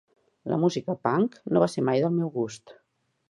La música Punk no va ser mai del meu gust.